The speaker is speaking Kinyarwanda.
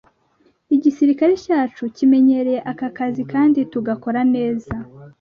igisirikare cyacu kimenyereye aka kazi kandi tugakora neza